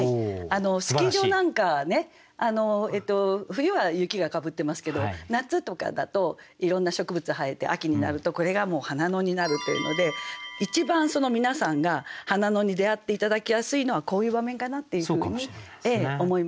スキー場なんかね冬は雪がかぶってますけど夏とかだといろんな植物生えて秋になるとこれが花野になるというので一番皆さんが花野に出会って頂きやすいのはこういう場面かなっていうふうに思いますね。